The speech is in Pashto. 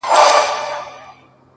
د ژوندون ساز كي ائينه جوړه كړي،